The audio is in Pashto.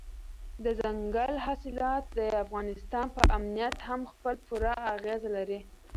دځنګل حاصلات د افغانستان په امنیت هم خپل پوره اغېز لري.